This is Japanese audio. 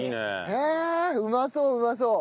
へえうまそううまそう。